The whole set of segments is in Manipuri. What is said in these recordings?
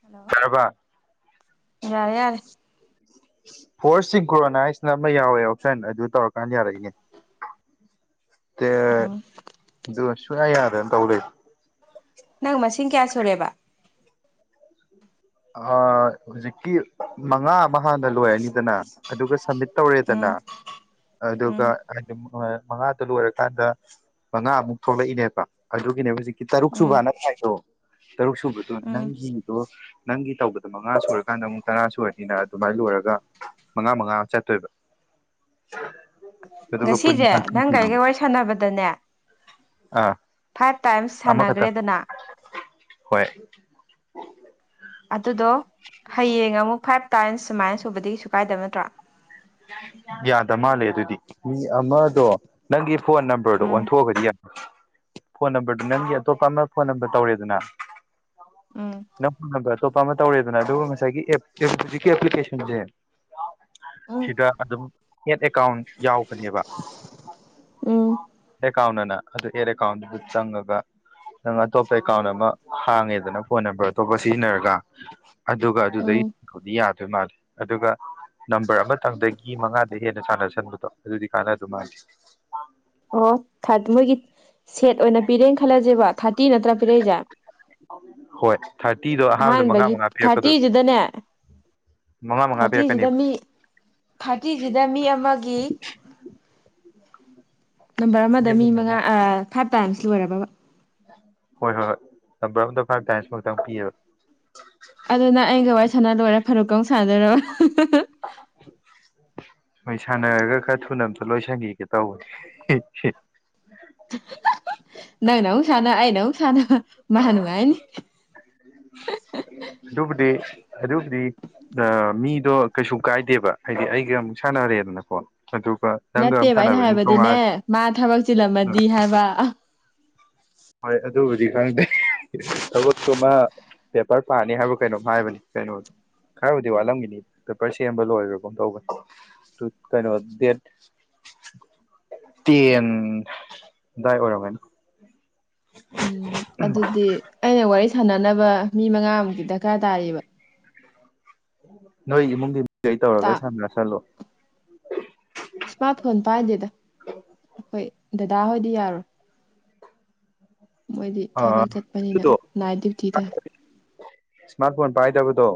ꯍꯜꯂꯣ ꯌꯥꯔꯕ ꯌꯥꯔꯦ ꯌꯥꯔꯦ ꯐꯣꯔꯁꯁꯤ ꯒ꯭ꯔꯣꯅꯥꯏꯁꯅ ꯑꯃ ꯌꯥꯎꯋꯦ ꯑꯣꯞꯁꯟ ꯑꯗꯨ ꯇꯧꯔꯀꯥꯟꯗ ꯌꯥꯔꯛꯏꯅꯦ ꯀꯥ ꯎꯝ ꯑꯗꯨꯒ ꯁꯨꯡꯌꯥ ꯌꯥꯗꯗꯅ ꯇꯧ ꯂꯩꯩ ꯫ ꯅꯪ ꯃꯁꯤꯡ ꯀꯌꯥ ꯁꯨꯔꯦꯕ ꯫ ꯑꯥ ꯍꯧꯖꯤꯛꯀꯤ ꯃꯉꯥ ꯑꯃꯥ ꯍꯥꯟꯅ ꯂꯣꯏꯔꯅꯤꯗꯅ ꯑꯗꯨꯒ ꯁꯃꯤꯠ ꯇꯧꯔꯦꯗꯅ ꯎꯝ ꯑꯗꯨꯒ ꯎꯝ ꯍꯥꯏꯗꯤ ꯃꯉꯥꯗ ꯂꯣꯏꯔꯀꯥꯟꯗ ꯃꯉꯥꯃꯨꯛ ꯊꯣꯛꯂꯛꯏꯅꯦꯕ ꯑꯗꯨꯒꯤꯅꯦ ꯍꯧꯖꯤꯛ ꯎꯝ ꯇꯔꯨꯛꯁꯨꯕꯅ ꯊꯥꯔꯤꯗꯣ ꯇꯔꯨꯛ ꯁꯨꯕꯗꯣ ꯎꯝ ꯅꯪꯒꯤꯗꯣ꯫ ꯅꯪꯒꯤ ꯇꯧꯕꯗꯣ ꯃꯉꯥ ꯁꯨꯔꯀꯥꯟꯗ ꯑꯃꯨꯛ ꯇꯔꯥ ꯁꯨꯔꯅꯤꯅ ꯑꯗꯨꯃꯥꯏꯅ ꯂꯣꯏꯔꯒ ꯫ ꯃꯉꯥ ꯃꯉꯥ ꯆꯠꯇꯣꯏꯕ ꯫ ꯑꯗꯨꯒ ꯄꯨꯟ ꯉꯁꯤꯖꯦ ꯊꯥꯔꯇꯤ ꯅꯪꯒꯥ ꯁꯨꯔꯅꯤ ꯑꯩꯒ ꯋꯥꯔꯤ ꯁꯥꯟꯅꯕꯗꯅꯦ ꯫ ꯑꯥ ꯐꯥꯏꯚ ꯇꯥꯏꯝꯁ ꯑꯃꯈꯛꯇꯪ ꯁꯥꯟꯅꯒ꯭ꯔꯦꯗꯅ ꯍꯣꯏ ꯑꯗꯨꯗꯣ ꯍꯌꯦꯡ ꯑꯃꯨꯛ ꯐꯥꯏꯚ ꯇꯥꯏꯝꯁ ꯁꯨꯃꯥꯏꯅ ꯁꯨꯕꯗꯒꯤ ꯀꯩꯁꯨ ꯀꯥꯏꯗꯕ ꯅꯠꯇ꯭ꯔꯣ ꯫ ꯌꯥꯗ ꯃꯥꯜꯂꯦ ꯑꯗꯨꯗꯤ ꯃꯤ ꯑꯃꯥꯗꯣ ꯫ ꯅꯪꯒꯤ ꯐꯣꯟ ꯅꯝꯕꯔꯗꯣ ꯎꯝ ꯑꯣꯟꯊꯣꯛꯑꯒꯗꯤ ꯌꯥ ꯐꯣꯟ ꯅꯝꯕꯔꯗꯨ ꯅꯪꯒꯤ ꯑꯇꯣꯞꯄ ꯑꯃꯥ ꯐꯣꯟ ꯅꯝꯕꯔ ꯇꯧꯔꯦꯗꯅ꯫ ꯎꯝ ꯅꯪ ꯐꯣꯟ ꯅꯝꯕ꯭ꯔ ꯑꯇꯣꯞꯄ ꯑꯃ ꯇꯧꯔꯦꯗꯅ ꯑꯗꯨꯒ ꯉꯁꯥꯏꯒꯤ ꯑꯦꯞ ꯑꯦꯞ ꯍꯧꯖꯤꯛꯀꯤ ꯑꯦꯄ꯭ꯂꯤꯀꯦꯁꯟꯁꯦ ꯫ ꯎꯝ ꯁꯤꯗ ꯑꯗꯨꯝ ꯑꯦꯠ ꯑꯦꯀꯥꯎꯟ ꯌꯥꯎꯕꯅꯦꯕ꯫ ꯎꯝ ꯑꯦꯀꯥꯎꯟꯅ ꯑꯗꯨ ꯑꯦꯠ ꯑꯦꯀꯥꯎꯟꯗꯨꯗ ꯆꯪꯉꯒ ꯅꯪ ꯑꯇꯣꯞꯄ ꯑꯦꯀꯥꯎꯟ ꯑꯃꯥ ꯍꯥꯡꯉꯦꯗꯅ ꯐꯣꯟ ꯅꯝꯕꯔ ꯑꯇꯣꯞꯄ ꯁꯤꯖꯤꯟꯅꯔꯒ ꯫ ꯑꯗꯨꯒ ꯑꯗꯨꯗꯩꯪ ꯎꯝ ꯌꯥꯗꯣꯏ ꯃꯥꯜꯂꯦ ꯑꯗꯨꯒ ꯅꯝꯕꯔ ꯑꯃꯥ ꯇꯥꯡꯗꯒꯤ ꯃꯉꯥꯗꯩ ꯍꯦꯟꯅ ꯁꯥꯟꯅꯁꯟꯕꯗꯣ ꯑꯗꯨꯗꯤ ꯀꯥꯟꯅꯗꯧ ꯃꯥꯟꯗꯦ ꯑꯣ ꯊꯥꯔ ꯃꯣꯏꯒꯤ ꯁꯦꯠ ꯑꯣꯏꯅ ꯄꯤꯔꯦꯅ ꯈꯜꯂꯖꯦꯕ ꯊꯥꯔꯇꯤ ꯅꯠꯇ꯭ꯔꯥ ꯄꯤꯔꯛꯏꯖꯦ ꯍꯣꯏ ꯊꯥꯔꯇꯤꯗꯣ ꯑꯍꯥꯟꯕꯗ ꯃꯉꯥ ꯃꯉꯥ ꯄꯤꯔꯛꯀꯗꯣꯕ ꯊꯥꯔꯇꯤꯁꯤꯗꯅꯦ ꯃꯉꯥ ꯃꯉꯥ ꯄꯤꯔꯛꯀꯅꯦꯕ ꯊꯥꯔꯇꯤꯖꯤꯗ ꯃꯤ ꯑꯃꯒꯤ ꯅꯝꯕꯔ ꯑꯃꯗ ꯃꯤ ꯃꯉꯥ ꯍꯣꯏ ꯐꯥꯏꯚ ꯇꯥꯏꯝꯁ ꯂꯣꯏꯔꯕꯕ ꯍꯣꯏ ꯍꯣꯏ ꯍꯣꯏ ꯅꯝꯕꯔ ꯑꯝꯗ ꯐꯥꯏꯚ ꯇꯥꯏꯁ ꯈꯛꯇꯪ ꯄꯤꯑꯕ ꯑꯗꯨ ꯅꯪ ꯑꯩꯒ ꯋꯥꯔꯤ ꯁꯥꯅ ꯂꯣꯏꯔꯒ ꯐꯔꯨꯛꯀꯥ ꯑꯃꯨꯛ ꯁꯥꯅꯗꯣꯏꯔꯕ ꯍꯣꯏ ꯁꯥꯟꯅꯔꯒ ꯈꯔ ꯊꯨꯅ ꯑꯝꯇ ꯂꯣꯏ ꯁꯤꯟꯈꯤꯒꯦ ꯇꯧꯕꯅꯤ ꯅꯪꯅ ꯑꯃꯨꯛ ꯁꯥꯟꯅ ꯑꯩꯅ ꯑꯃꯨꯛ ꯁꯥꯟꯅ ꯃꯥ ꯅꯨꯡꯉꯥꯏꯅꯤ ꯑꯗꯨꯕꯨꯗꯤ ꯑꯗꯨꯕꯨꯗꯤ ꯃꯤꯗꯣ ꯀꯩꯁꯨ ꯀꯥꯏꯗꯦꯕ ꯍꯥꯏꯗꯤ ꯑꯩꯒ ꯑꯃꯨꯛ ꯁꯥꯟꯅꯔꯦꯗꯅꯀꯣ ꯑꯗꯨꯒ ꯅꯪꯒ ꯑꯃ ꯅꯠꯇꯦꯕ ꯑꯩꯅ ꯁꯥꯟꯅꯕꯅꯤꯅ ꯍꯥꯏꯕꯗꯤꯅꯦ ꯇꯣꯉꯥꯟ ꯃꯥ ꯊꯕꯛ ꯆꯤꯜꯂꯝꯃꯗꯤ ꯍꯥꯏꯕ ꯍꯣꯏ ꯑꯗꯨꯕꯨꯗꯤ ꯈꯪꯗꯦ ꯊꯕꯛꯇꯨꯃꯥ ꯄꯦꯄꯔ ꯄꯥꯅꯤ ꯍꯥꯏꯕ ꯀꯩꯅꯣꯝ ꯍꯥꯏꯕꯅꯤ ꯀꯩꯅꯣ ꯈꯔꯕꯨꯗꯤ ꯋꯥꯠꯂꯝꯒꯤꯅꯤ ꯄꯦꯄꯔ ꯁꯦꯝꯕ ꯂꯣꯏꯒ꯭ꯔꯥꯒꯨꯝ ꯇꯧꯕꯅꯤ ꯇꯨ ꯀꯩꯅꯣ ꯗꯦꯠ ꯇꯦꯟ ꯑꯗꯥꯏ ꯑꯣꯏꯔꯝꯒꯅꯤ ꯎꯝ ꯑꯗꯨꯗꯤ ꯑꯩꯅ ꯋꯥꯔꯤ ꯁꯥꯟꯅꯅꯕ ꯃꯤ ꯃꯉꯥꯃꯨꯛꯇꯤ ꯗꯔꯀꯥꯔ ꯇꯥꯔꯤꯕ ꯅꯣꯏ ꯏꯃꯨꯡꯒꯤ ꯃꯤ ꯒꯩ ꯇꯥ ꯇꯧꯔꯒ ꯁꯝꯅꯁꯜꯂꯣ ꯏꯁꯃꯥꯔꯠ ꯐꯣꯟ ꯄꯥꯏꯗꯦꯗ ꯑꯩꯈꯣꯏ ꯗꯥꯗꯥꯍꯣꯏꯗꯤ ꯌꯥꯔꯣꯏ ꯃꯣꯏꯗꯤ ꯑꯥ ꯊꯕꯛ ꯆꯠꯄꯅꯤꯅ ꯑꯗꯨꯗꯣ ꯅꯥꯏꯠ ꯗ꯭ꯌꯨꯇꯤ ꯇꯥꯏ ꯏꯁꯃꯥꯔꯠ ꯐꯣꯟ ꯄꯥꯏꯗꯕꯗꯣ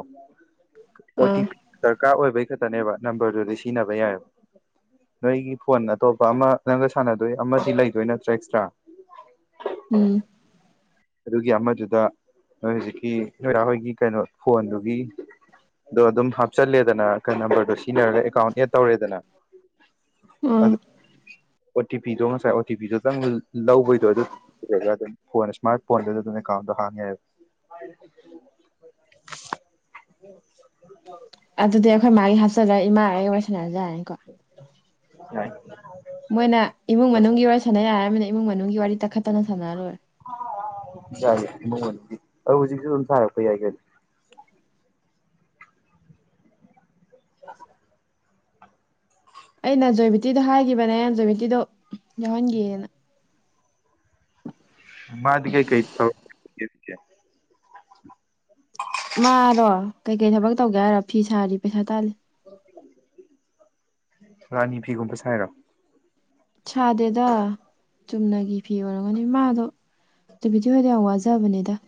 ꯑꯣ ꯇꯤ ꯑꯥ ꯄꯤ ꯗꯔꯀꯥꯔ ꯑꯣꯏꯕꯒꯤ ꯈꯛꯇꯅꯦꯕ ꯅꯝꯕꯔꯗꯨꯗꯤ ꯁꯤꯖꯤꯟꯅꯕ ꯌꯥꯏꯑꯕ ꯅꯣꯏꯒꯤ ꯐꯣꯟ ꯑꯇꯣꯞꯄ ꯑꯃ ꯅꯪꯒ ꯁꯥꯟꯅꯗꯣꯏ ꯑꯃꯗꯤ ꯂꯩꯗꯣꯏ ꯅꯠꯇ꯭ꯔꯥ ꯑꯦꯛꯁꯇ꯭ꯔꯥ ꯎꯝ ꯑꯗꯨꯒꯤ ꯑꯃꯗꯨꯗ ꯅꯣꯏ ꯍꯧꯖꯤꯛꯀꯤ ꯅꯣꯏ ꯗꯥ ꯍꯣꯏꯒꯤ ꯀꯩꯅꯣ ꯐꯣꯟꯗꯨꯒꯤ ꯑꯗꯣ ꯑꯗꯨꯝ ꯍꯥꯞꯆꯜꯂꯦꯗꯅ ꯀꯩ ꯅꯝꯕꯔꯗꯣ ꯁꯤꯖꯤꯟꯅꯔꯒ ꯑꯦꯀꯥꯎꯟ ꯑꯦꯗ ꯇꯧꯔꯦꯗꯅ ꯎꯝ ꯑꯗꯨ ꯑꯣ ꯇꯤ ꯄꯤꯗꯣ ꯉꯁꯥꯏ ꯑꯣ ꯇꯤ ꯄꯤꯗꯨꯇꯪ ꯂꯧꯕꯩꯗꯣ ꯑꯗꯨ ꯑꯗꯨꯝ ꯐꯣꯟ ꯏꯁꯃꯥꯔꯠ ꯐꯣꯟꯗꯨ ꯑꯗꯨꯝ ꯑꯦꯀꯥꯎꯟꯗꯣ ꯍꯥꯡ ꯌꯥꯏꯕ ꯑꯗꯨꯗꯤ ꯑꯩꯈꯣꯏ ꯃꯥꯒꯤ ꯍꯥꯞꯆꯜꯂꯒ ꯏꯃꯥꯒ ꯑꯩꯒ ꯋꯥꯔꯤꯁꯥꯟꯅ ꯌꯥꯔꯅꯤꯀꯣ ꯌꯥꯏ ꯃꯣꯏꯅ ꯏꯃꯨꯡ ꯃꯅꯨꯡꯒꯤ ꯋꯥꯔꯤ ꯁꯥꯟꯅ ꯌꯥꯏ ꯍꯥꯏꯔꯃꯤꯅ ꯏꯃꯨꯡ ꯃꯅꯨꯡꯒꯤ ꯋꯥꯔꯤ ꯇꯛꯈꯠꯇꯅ ꯁꯥꯟꯅꯔ ꯂꯣꯏꯔꯦ ꯌꯥꯏ ꯏꯃꯨꯡ ꯃꯅꯨꯡꯒꯤ ꯑꯗꯨ ꯍꯧꯖꯤꯛꯁꯨ ꯑꯗꯨꯝ ꯁꯥꯔꯛꯄ ꯌꯥꯏ ꯀꯩꯅꯣ [inaudible] ꯑꯩꯅ ꯖꯣꯏꯕꯤꯇꯤꯗꯣ ꯍꯥꯏꯈꯤꯕꯅꯦ ꯖꯣꯏꯕꯤꯇꯤꯗꯣ ꯌꯥꯎꯍꯟꯒꯦꯅ [inaudible] ꯃꯥꯗꯤ ꯀꯩ ꯀꯩ ꯊꯕꯛ ꯆꯤꯟꯒꯦ ꯃꯥꯔꯣ ꯀꯩꯀꯩ ꯊꯕꯛ ꯇꯧꯒꯦ ꯍꯥꯏꯔꯣ ꯐꯤ ꯁꯥꯔꯤ ꯄꯩꯁꯥ ꯇꯥꯜꯂꯤ ꯔꯥꯅꯤ ꯐꯤꯒꯨꯝꯕ ꯁꯥꯏꯔꯣ ꯁꯥꯗꯦꯗ ꯆꯨꯝꯅꯒꯤ ꯐꯤ ꯑꯣꯏꯔꯝꯒꯅꯤ ꯃꯥꯗꯣ ꯇꯤꯕꯤꯗꯤ ꯍꯣꯏꯗꯤ ꯌꯥꯝ ꯋꯥꯖꯕꯅꯦꯗ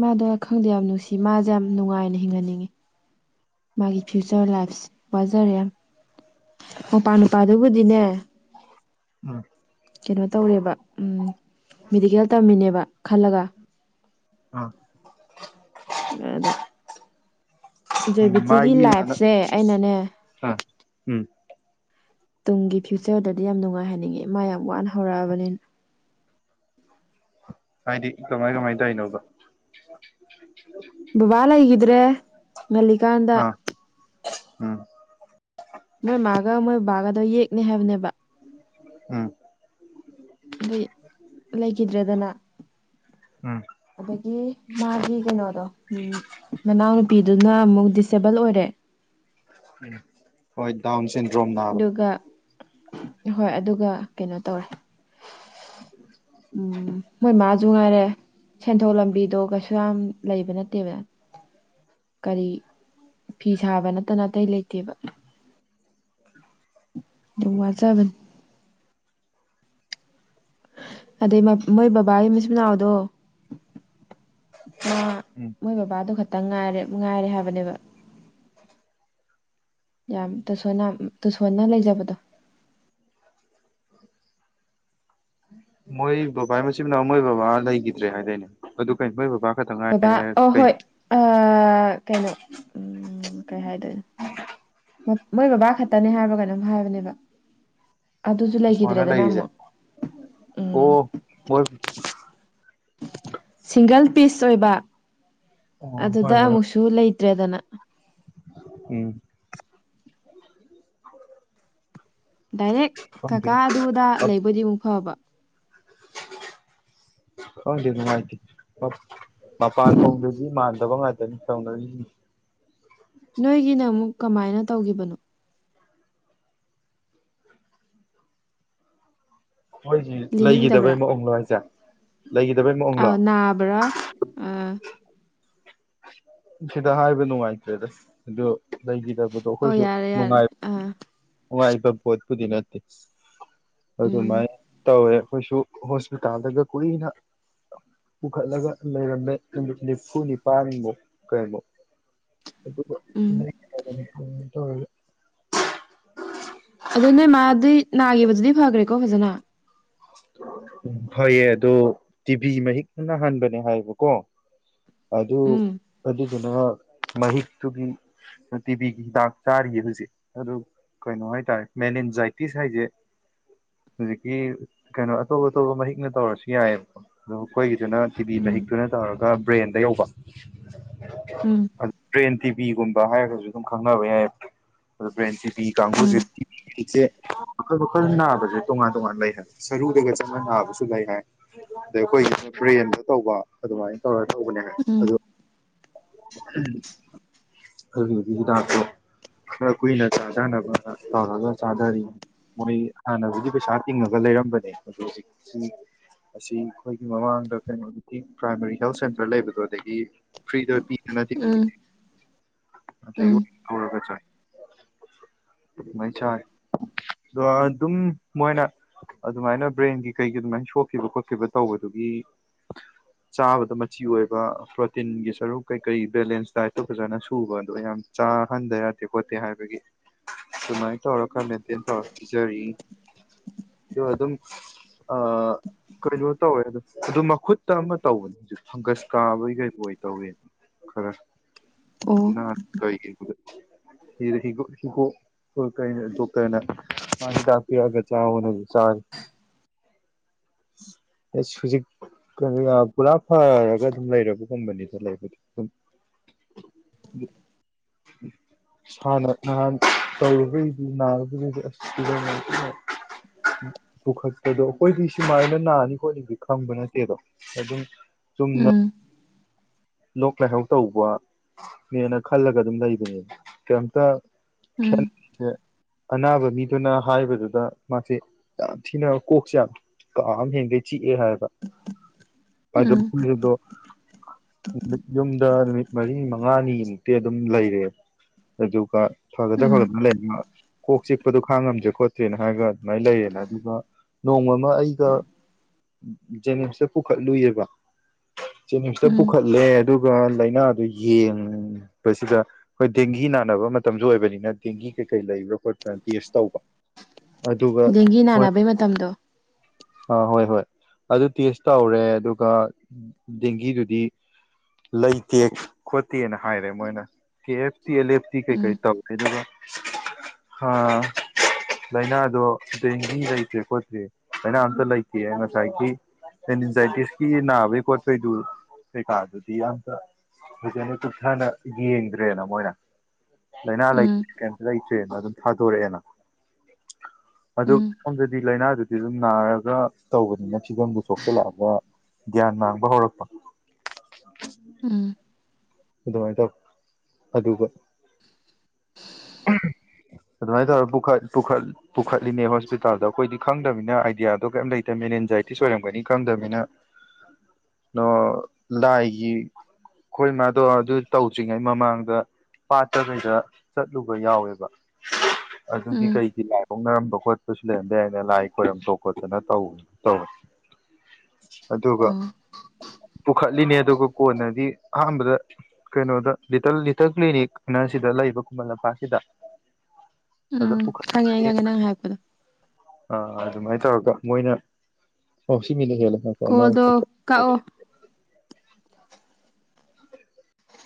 ꯃꯥꯗꯣ ꯈꯪꯗꯦ ꯌꯥꯝ ꯅꯨꯡꯁꯤ ꯃꯥꯖꯦ ꯌꯥꯝ ꯅꯨꯡꯉꯥꯏꯅ ꯍꯤꯡꯍꯟꯅꯤꯡꯉꯤ ꯃꯥꯒꯤ ꯐ꯭ꯌꯨꯆꯔ ꯂꯥꯏꯐꯁꯦ ꯋꯥꯖꯔꯦ ꯌꯥꯝ ꯃꯧꯄꯥ ꯅꯨꯄꯥꯗꯨꯕꯨꯗꯤꯅꯦ ꯎꯝ ꯀꯩꯅꯣ ꯇꯧꯔꯦꯕ ꯃꯦꯗꯤꯀꯦꯜ ꯇꯝꯃꯤꯅꯦꯕ ꯈꯜꯂꯒ ꯑꯥ ꯑꯗꯣ ꯖꯣꯏꯕꯤꯇꯤꯒꯤ ꯃꯥꯒꯤꯅ ꯂꯥꯏꯐꯁꯦ ꯍꯟꯗꯛꯀꯤ ꯑꯩꯅꯅꯦ ꯑꯥ ꯎꯝ ꯇꯨꯡꯒꯤ ꯐ꯭ꯌꯨꯆꯔꯗꯗꯤ ꯌꯥꯝꯅ ꯅꯨꯡꯉꯥꯏꯍꯟꯅꯤꯡꯉꯦ ꯃꯥ ꯌꯥꯝ ꯋꯥꯅ ꯍꯧꯔꯛꯑꯕꯅꯤꯅ ꯍꯥꯏꯗꯤ ꯀꯃꯥꯏ ꯀꯃꯥꯏ ꯇꯧꯏꯅꯣꯕ ꯕꯕꯥ ꯂꯩꯒꯤꯗ꯭ꯔꯦ ꯉꯜꯂꯤꯀꯥꯟꯗ ꯑꯥ ꯎꯝ ꯃꯣꯏ ꯃꯥꯒ ꯃꯣꯏ ꯕꯥꯒꯗꯣ ꯌꯦꯛꯅꯦ ꯍꯥꯏꯕꯅꯦꯕ ꯎꯝ ꯑꯗꯨꯏ ꯂꯩꯒꯤꯗ꯭ꯔꯦꯗꯅ ꯎꯝ ꯑꯗꯒꯤ ꯃꯥꯒꯤ ꯀꯩꯅꯣꯗꯣ ꯎꯝ ꯃꯅꯥꯎꯅꯨꯄꯤꯗꯨꯅ ꯑꯃꯨꯛ ꯗꯤꯁꯑꯦꯕꯜ ꯑꯣꯏꯔꯦ ꯎꯝ ꯍꯣꯏ ꯗꯥꯎꯟꯁꯟꯗ꯭ꯔꯣꯝ ꯅꯥꯕ ꯑꯗꯨꯒ ꯍꯣꯏ ꯑꯗꯨꯒ ꯀꯩꯅꯣ ꯇꯧꯔꯦ ꯎꯝ ꯃꯣꯏ ꯃꯥ ꯖꯨ ꯉꯥꯏꯔꯦ ꯁꯦꯟꯊꯣꯛ ꯂꯝꯕꯤꯗꯣ ꯀꯩꯁꯨ ꯌꯥꯝ ꯂꯩꯕ ꯅꯠꯇꯦꯕ ꯀꯔꯤ ꯐꯤ ꯁꯥꯕ ꯅꯠꯇꯅ ꯑꯇꯩ ꯂꯩꯇꯦꯕ ꯗꯨꯝ ꯋꯥꯖꯕꯅꯤ ꯑꯗꯩ ꯃꯥ ꯃꯣꯏ ꯕꯕꯥꯒꯤ ꯃꯆꯤ ꯃꯅꯥꯎꯗꯣ ꯃꯥ ꯎꯝ ꯃꯣꯏ ꯕꯕꯥꯗꯣ ꯈꯛꯇꯪ ꯉꯥꯏꯔꯦ ꯉꯥꯏꯔꯦ ꯍꯥꯏꯕꯅꯦꯕ ꯌꯥꯝ ꯇꯁꯣꯟꯅ ꯎꯝ ꯇꯨꯁꯣꯟꯅ ꯂꯩꯖꯕꯗꯣ ꯃꯣꯏ ꯕꯕꯥꯏ ꯃꯆꯤꯟꯅꯥꯎ ꯃꯣꯏ ꯕꯕꯥ ꯂꯩꯈꯤꯗ꯭ꯔꯦ ꯍꯥꯏꯗꯣꯏꯅꯦ ꯕꯕꯥ ꯑꯣ ꯀꯩꯅꯣ ꯍꯣꯏ ꯑꯥ ꯀꯩꯅꯣ [unintelligible] ꯀꯩ ꯍꯥꯏꯥꯏꯗꯣꯏꯅ ꯃꯞ ꯃꯣꯏ ꯕꯕꯥ ꯈꯛꯇꯅꯦ ꯍꯥꯏꯕꯔ ꯀꯩꯅꯣꯝ ꯍꯥꯏꯕꯅꯦꯕ ꯑꯗꯨꯁꯨ ꯇꯨꯁꯣꯟꯅ ꯂꯩꯈꯤꯗ꯭ꯔꯦꯗꯅ ꯂꯩꯔꯤꯁꯦ ꯑꯃꯨꯛ ꯑꯣ ꯎꯝ ꯃꯣꯏ ꯁꯤꯡꯒꯜ ꯄꯤꯁ ꯑꯣꯏꯕ ꯑꯣ ꯍꯣꯏ ꯑꯗꯨꯗ ꯍꯣꯏ ꯑꯃꯨꯛꯁꯨ ꯂꯩꯇ꯭ꯔꯦꯗꯅ ꯎꯝ ꯗꯥꯏꯔꯦꯛ ꯈꯪꯗꯦ ꯀꯀꯥ ꯑꯗꯨꯗ ꯂꯩꯕ ꯑꯣꯏꯗꯤ ꯑꯃꯨꯛ ꯐꯕ ꯈꯪꯗꯦ ꯅꯨꯡꯉꯥꯏꯇꯦ ꯑꯞ ꯃꯄꯥꯟ ꯊꯣꯡꯗꯗꯤ ꯃꯥꯟꯗꯕ ꯉꯥꯛꯇꯅꯤ ꯇꯧꯅꯔꯤꯖꯤꯡꯁꯤ ꯅꯣꯏꯒꯤꯅ ꯑꯃꯨꯛ ꯀꯃꯥꯏꯅ ꯇꯧꯒꯤꯕꯅꯣ ꯃꯣꯏꯁꯤ ꯂꯤꯅꯤꯡꯗꯕ꯭ꯔꯥ ꯂꯩꯒꯤꯗꯕꯩ ꯃꯑꯣꯡꯂꯣ ꯍꯥꯏꯖꯦ ꯂꯩꯈꯤꯗꯕꯩ ꯃꯑꯣꯡ ꯑꯥꯎ ꯅꯥꯕ꯭ꯔꯥ ꯑꯥ ꯁꯤꯗ ꯍꯥꯏꯕ ꯅꯨꯡꯉꯥꯏꯇ꯭ꯔꯦꯗ ꯑꯗꯨ ꯂꯩꯒꯤꯗꯕꯗꯣ ꯑꯣ ꯑꯩꯈꯣꯏꯁꯨ ꯌꯥꯔꯦ ꯌꯥꯔꯦ ꯅꯨꯡꯉꯥꯏ ꯑꯥ ꯅꯨꯡꯉꯥꯏꯕ ꯄꯣꯠꯄꯨꯗꯤ ꯅꯠꯇꯦ ꯎꯝ ꯑꯗꯨꯃꯥꯏ ꯇꯧꯔꯦ ꯑꯈꯣꯏꯁꯨ ꯍꯣꯁꯄꯤꯇꯥꯜꯗꯒ ꯀꯨꯏꯅ ꯄꯨꯈꯠꯂꯒ ꯂꯩꯔꯝꯃꯦ ꯅꯨꯃꯤꯠ ꯅꯤꯐꯨ ꯅꯤꯄꯥꯟꯃꯨꯛ ꯀꯩꯃꯨꯛ ꯑꯗꯨꯒꯥ ꯎꯝ [inaudible] [inaudible] ꯇꯧꯔꯒ ꯑꯗꯨ ꯅꯣꯏ ꯃꯥꯗꯤ ꯅꯥꯒꯤꯕꯖꯤꯗꯤ ꯐꯒ꯭ꯔꯦꯀꯣ ꯐꯖꯅ ꯎꯝ ꯐꯩꯌꯦ ꯑꯗꯣ ꯇꯤꯚꯤ ꯃꯍꯤꯛꯅ ꯅꯍꯟꯕꯅꯦ ꯍꯥꯏꯌꯦꯕꯀꯣ ꯑꯗꯨ ꯎꯝ ꯑꯗꯨꯗꯨꯅ ꯃꯍꯤꯛꯇꯨꯒꯤ ꯑꯥ ꯇꯤꯕꯤꯒꯤ ꯍꯤꯗꯥꯛ ꯆꯥꯔꯤꯌꯦ ꯍꯧꯖꯤꯛ ꯑꯗꯨ ꯀꯩꯅꯣ ꯍꯥꯏꯇꯥꯔꯦ ꯃꯦꯟ ꯑꯦꯟꯖꯥꯏꯇꯤꯁ ꯍꯥꯏꯖꯦ ꯍꯧꯖꯤꯛꯀꯤ ꯀꯩꯅꯣ ꯑꯇꯣꯞ ꯑꯇꯣꯞꯄ ꯃꯍꯤꯛꯅ ꯇꯧꯔꯁꯨ ꯌꯥꯏꯌꯦꯕꯀꯣ ꯑꯗꯣ ꯑꯩꯈꯣꯏꯒꯤꯗꯨꯅ ꯇꯤꯚꯤ ꯎꯝ ꯃꯍꯤꯛꯇꯨꯅ ꯇꯧꯔꯒ ꯕ꯭ꯔꯦꯟꯗ ꯌꯧꯕ ꯎꯝ [inaudible] ꯑꯠ ꯕ꯭ꯔꯦꯟ ꯇꯤꯚꯤꯒꯨꯝꯕ ꯍꯥꯏꯔꯒꯁꯨ ꯑꯗꯨꯝ ꯈꯪꯅꯕ ꯌꯥꯏ ꯑꯗꯨ ꯕ꯭ꯔꯦꯟ ꯇꯤꯚꯤ ꯀꯥꯡꯕꯨꯁꯦ ꯎꯝ ꯏꯆꯦ ꯃꯈꯜ ꯃꯈꯜ ꯅꯥꯕꯁꯦ ꯇꯣꯉꯥꯟ ꯇꯣꯉꯥꯟ ꯂꯩ ꯍꯥꯏ ꯁꯔꯨꯗꯒ ꯆꯪꯉꯥ ꯅꯥꯕꯁꯨ ꯂꯩ ꯍꯥꯏ ꯑꯗꯩ ꯑꯩꯈꯣꯏꯁꯤꯅ ꯕ꯭ꯔꯦꯟꯗ ꯇꯧꯕ ꯑꯗꯨꯃꯥꯏꯅ ꯇꯧꯔ ꯇꯧꯕꯅꯦ ꯍꯥꯏ ꯎꯝ ꯑꯗꯨ ꯑꯍꯝ ꯈꯜꯂꯤꯕꯅꯤ ꯍꯤꯗꯥꯛꯇꯣ ꯈꯔ ꯀꯨꯏꯅ ꯆꯥꯖꯅꯕꯅ ꯇꯧꯔꯒ ꯆꯥꯗꯔꯤ ꯃꯣꯏ ꯍꯥꯟꯅꯕꯨꯗꯤ ꯄꯩꯁꯥ ꯇꯤꯡꯉꯒ ꯂꯩꯔꯝꯕꯅꯦ ꯑꯗꯣ ꯍꯧꯖꯤꯛꯁꯤ ꯑꯁꯤ ꯈꯣꯏꯒꯤ ꯃꯃꯥꯡꯗ ꯀꯩꯅꯣ [inaudible] ꯄ꯭ꯔꯥꯏꯃꯥꯔꯤ ꯍꯦꯜꯊ ꯁꯦꯟꯇꯔ ꯂꯩꯕꯗꯣ ꯑꯗꯒꯤ ꯐ꯭ꯔꯤꯗ [inaudible] ꫰ ꯎꯝ ꯎꯝ [unintelligible] ꯍꯧꯔꯒ ꯆꯥꯏ ꯃꯩ ꯆꯥꯏ ꯗꯣ ꯑꯗꯨꯝ ꯃꯣꯏꯅ ꯑꯗꯨꯃꯥꯏꯅ ꯕ꯭ꯔꯦꯟꯒꯤ ꯀꯩꯒꯤ ꯑꯗꯨꯃꯥꯏꯅ ꯁꯣꯛꯈꯤꯕ ꯈꯣꯠꯈꯤꯕ ꯇꯧꯕꯗꯨꯒꯤ ꯆꯥꯕꯗ ꯃꯆꯤ ꯑꯣꯏꯕ ꯄ꯭ꯔꯣꯇꯤꯟꯒꯤ ꯁꯔꯨꯛ ꯀꯩ ꯀꯩ ꯕꯦꯂꯦꯟꯁ ꯗꯥꯏꯠꯇꯣ ꯐꯖꯅ ꯁꯨꯕ ꯑꯗꯣ ꯀꯌꯥꯝ ꯆꯥꯍꯟꯕ ꯌꯥꯗꯦ ꯈꯣꯠꯇꯦ ꯍꯥꯏꯕꯒꯤ ꯗꯨꯨꯃꯥꯏ ꯇꯧꯔ ꯈꯔ ꯃꯦꯟꯇꯦꯟ ꯇꯧꯔ ꯄꯤꯖꯔꯤ ꯗꯣ ꯑꯗꯨꯝ ꯑꯥ ꯀꯩꯅꯣ ꯇꯧꯋꯦ ꯑꯗ ꯑꯗꯨ ꯃꯈꯨꯠꯇ ꯑꯃ ꯇꯧꯕꯅꯦ ꯍꯧꯖꯤꯛ ꯐꯪꯒꯁ ꯀꯥꯕꯒꯤ ꯀꯩ ꯑꯣꯏ ꯇꯧꯋꯦ ꯈꯔ [unintelligible] ꯑꯣ [inaudible] ꯍꯤ ꯍꯤꯒꯣꯛ ꯍꯣꯏ ꯀꯩꯅ ꯗꯣꯛꯇꯔꯅꯥ ꯃꯥ ꯍꯤꯗꯥꯛ ꯄꯤꯔꯛꯑꯒ ꯆꯥꯑꯣꯅꯥꯕꯨꯗꯤ ꯆꯥꯔꯤ [unintelligible] ꯑꯦꯁ ꯍꯧꯖꯤꯛ [unintelligible] ꯄꯨꯔꯥ ꯐꯔꯒ ꯑꯗꯨꯝ ꯂꯩꯔꯕꯒꯨꯝꯕꯅꯤꯗ ꯂꯩꯕꯗꯤ [inaudible] ꯍꯥꯟꯅ ꯅꯍꯥꯟ ꯇꯧꯔꯨꯕꯩꯗꯤ ꯅꯥꯕꯒꯤ [unintelligible] ꯑꯁ [inaudible] ꯄꯨꯈꯠꯄꯗꯣ ꯑꯩꯈꯣꯏꯗꯤ ꯁꯨꯃꯥꯏꯅ ꯅꯥꯅꯤ ꯈꯣꯠꯅꯤꯗꯤ ꯈꯪꯕ ꯅꯠꯇꯦꯗꯣ ꯑꯗꯨꯝ ꯆꯨꯝꯅ ꯎꯝ ꯂꯣꯛ ꯂꯥꯏꯍꯧ ꯇꯧꯕ ꯅꯦꯅ ꯈꯜꯂꯒ ꯑꯗꯨꯝ ꯂꯩꯕꯅꯦ ꯀꯩꯝꯇ ꯈ ꯎꯝ [inaudible] [inaudible] ꯑꯅꯥꯕ ꯃꯤꯗꯨꯅ ꯍꯥꯏꯕꯗꯨꯗ ꯃꯥꯁꯦ ꯌꯥꯝ ꯊꯤꯅ ꯀꯣꯛꯁꯦ ꯀꯥ ꯑꯃ ꯍꯦꯟꯒꯩ ꯆꯤꯛꯑꯦ ꯍꯥꯏꯌꯦꯕ ꯍꯥꯏꯗ ꯎꯝ [unintelligible] ꯗꯣ ꯃꯤꯠ ꯌꯨꯝꯗ ꯅꯨꯃꯤꯠ ꯃꯔꯤ ꯃꯉꯥꯅꯤꯃꯨꯛꯇꯤ ꯑꯗꯨꯝ ꯂꯩꯔꯦꯕ ꯑꯗꯨꯒ ꯐꯒꯗ꯭ꯔ ꯎꯝ ꯐꯒꯗ꯭ꯔ [unintelligible] ꯀꯣꯛ ꯆꯤꯛꯄꯗꯨꯣ ꯈꯥꯡꯉꯝꯗ꯭ꯔꯦ ꯈꯣꯠꯇ꯭ꯔꯦꯅ ꯍꯥꯏꯔꯒ ꯑꯗꯨꯃꯥꯏꯅ ꯂꯩꯔꯦꯅ ꯑꯗꯨꯒ ꯅꯣꯡꯃ ꯑꯃ ꯑꯩꯒ ꯖꯦꯅꯤꯝꯁꯇ ꯄꯨꯈꯠꯂꯨꯏꯌꯦꯕ ꯖꯦꯅꯤꯝꯁꯇ ꯎꯝ ꯄꯨꯈꯠꯂꯦ ꯑꯗꯨꯒ ꯂꯥꯏꯅꯥꯗꯨ ꯌꯦꯡꯕꯁꯤꯗ ꯍꯣꯏ ꯗꯦꯡꯒꯤ ꯅꯥꯅꯕ ꯃꯇꯝꯁꯨ ꯑꯣꯏꯕꯅꯤꯅ ꯗꯦꯡꯒꯤ ꯀꯩꯀꯩ ꯂꯩꯕ꯭ꯔꯥ ꯈꯣꯠꯄ꯭ꯔꯥꯅ ꯇꯦꯁ ꯇꯧꯕ ꯑꯗꯨꯒ ꯃꯤ ꯅꯥꯅꯕꯩ ꯃꯇꯝꯗꯣ ꯑ ꯍꯣꯏ ꯍꯣꯏ ꯑꯗꯨ ꯇꯦꯁ ꯇꯧꯔꯦ ꯑꯗꯨꯒ ꯗꯦꯡꯒꯤꯗꯨꯗꯤ ꯂꯩꯇꯦ ꯈꯣꯠꯇꯦꯅ ꯍꯥꯏꯔꯦ ꯃꯣꯏꯅ K F T L F T ꯀꯩ ꯀꯩ ꯎꯝ ꯇꯧꯔꯦ ꯑꯗꯨꯒ ꯍꯥ ꯂꯩꯅꯥꯗꯣ ꯗꯦꯡꯒꯤ ꯂꯩꯇꯦ ꯈꯣꯠꯇꯦ ꯂꯩꯅꯥ ꯑꯝꯇ ꯂꯩꯥꯏꯇꯦ ꯉꯁꯥꯏꯒꯤ ꯑꯦꯟꯖꯥꯏꯇꯤꯁꯀꯤ ꯅꯥꯕꯩ ꯈꯣꯠꯄꯩꯗꯨ ꯀꯩꯀꯥꯗꯨꯗꯤ ꯑꯝꯇ ꯐꯖꯅ ꯀꯨꯞꯊꯅ ꯌꯦꯡꯗ꯭ꯔꯦꯅ ꯃꯣꯏꯅ ꯂꯥꯏꯅꯥ ꯂꯩ ꯎꯝ ꯀꯩ ꯂꯩꯇ꯭ꯔꯦꯅ ꯑꯗꯨꯝ ꯊꯥꯗꯣꯔꯛꯑꯦꯅ ꯑꯗꯨ ꯎꯝ ꯁꯣꯝꯗꯗꯤ ꯂꯥꯏꯅꯥꯗꯨꯗꯤ ꯑꯗꯨꯝ ꯅꯥꯔꯒ ꯇꯧꯕꯅꯤꯅ ꯐꯤꯕꯝꯗꯨ ꯁꯣꯛꯆꯜꯂꯛꯑꯒ ꯒ꯭ꯌꯥꯟ ꯃꯥꯡꯕ ꯍꯧꯔꯛꯄ ꯎꯝ ꯑꯗꯨꯃꯥꯏꯅ ꯇꯧ ꯑꯗꯨꯒ ꯑꯗꯨꯃꯥꯏꯅ ꯇꯧꯔ ꯄꯨꯈ ꯄꯨꯈꯠ ꯄꯨꯈꯠꯂꯤꯅꯦ ꯍꯣꯁꯄꯤꯇꯥꯜꯗ ꯑꯩꯈꯣꯏꯗꯤ ꯈꯪꯗꯃꯤꯅ ꯑꯥꯏꯗꯤꯌꯥꯗꯣ ꯀꯩꯝ ꯂꯩꯇꯕꯅꯤꯅ ꯑꯦꯟꯖꯥꯏꯇꯤꯁ ꯑꯣꯏꯔꯝꯒꯅꯤ ꯈꯪꯗꯃꯤꯅ ꯅ ꯂꯥꯏꯒꯤ ꯑꯩꯈꯣꯏ ꯃꯥꯗꯣ ꯑꯗꯨ ꯇꯧꯗ꯭ꯔꯤꯉꯩ ꯃꯃꯥꯡꯗ ꯄꯥꯠꯇ ꯀꯩꯗ ꯆꯠꯂꯨꯕ ꯌꯥꯎꯋꯦꯕ ꯑꯗꯨꯒꯤ ꯎꯝ ꯀꯩꯒꯤ ꯑꯣꯛꯅꯔꯝꯕ ꯈꯣꯠꯄꯁꯨ ꯂꯩꯔꯝꯕ ꯌꯥꯏꯅ ꯂꯥꯏ ꯈꯣꯏꯔꯝꯊꯣꯛ ꯈꯣꯠꯇꯅ ꯇꯧ ꯇꯧꯋꯦ ꯑꯗꯨꯒ ꯑꯣ ꯄꯨꯈꯠꯂꯤꯅꯦ ꯑꯗꯨꯒ ꯀꯣꯟꯅꯗꯤ ꯑꯍꯥꯟꯕꯗ ꯀꯩꯅꯣꯗ ꯂꯤꯇꯜ ꯂꯤꯇꯜ ꯀ꯭ꯂꯤꯅꯤꯛꯅ ꯁꯤꯗ ꯂꯩꯕ ꯈꯨꯃꯟ ꯂꯝꯄꯥꯛꯀꯤꯗ ꯎꯝ ꯈꯪꯉꯦ ꯈꯪꯉꯦ ꯅꯪ ꯍꯥꯏꯔꯛꯄꯗꯣ ꯑꯥ ꯑꯗꯨꯃꯥꯏꯅ ꯇꯧꯔꯒ ꯃꯣꯏꯅ ꯑꯣ ꯁꯤ ꯃꯤꯅ ꯍꯦꯜꯂꯦ ꯀꯣꯜꯗꯣ ꯀꯛꯑꯣ